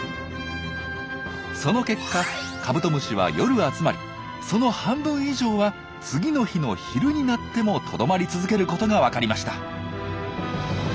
その結果カブトムシは夜集まりその半分以上は次の日の昼になってもとどまり続けることがわかりました。